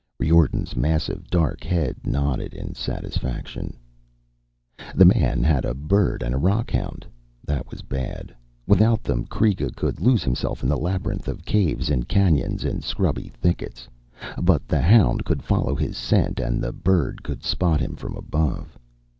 Riordan's massive dark head nodded in satisfaction. The man had a bird and a rockhound. That was bad. Without them, Kreega could lose himself in the labyrinth of caves and canyons and scrubby thickets but the hound could follow his scent and the bird could spot him from above.